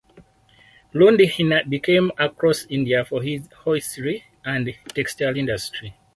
Ludhiana became across India for its hosiery and textile industry.